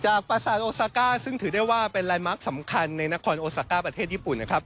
ประสาทโอซาก้าซึ่งถือได้ว่าเป็นลายมาร์คสำคัญในนครโอซาก้าประเทศญี่ปุ่นนะครับ